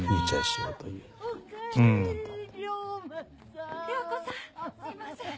すみません。